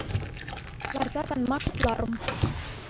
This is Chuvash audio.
Ларса канма шутларӑм.